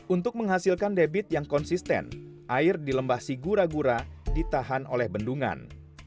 untuk menghasilkan debit yang konsisten air di lembah sigura gura ditahan oleh bendungan